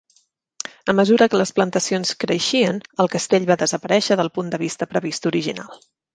A mesura que les plantacions creixien, el castell va desaparèixer del punt de vista previst original.